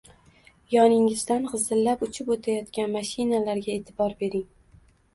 Yoningizdan g‘izillab uchib o‘tayotgan mashinalarga e’tibor bering.